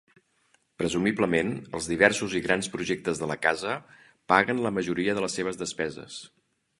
Presumiblement, els diversos i grans projectes de la casa paguen la majoria de les seves despeses.